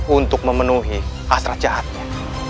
untuk memenuhi hasrat jahatnya